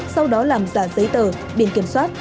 sau đó làm giả giấy tờ biển kiểm soát